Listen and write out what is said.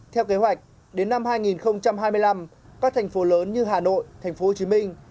theo kế hoạch đến năm hai nghìn hai mươi năm các thành phố lớn như hà nội thành phố hồ chí minh